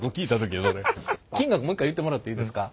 金額もう一回言ってもらっていいですか。